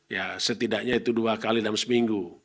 ya setidaknya itu dua kali dalam seminggu